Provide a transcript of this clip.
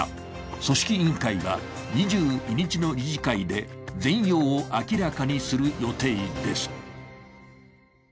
組織委員会は２２日の理事会で全容を明らかにする予定です。